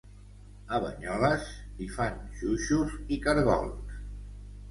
A Banyoles hi fan xuixos i cargols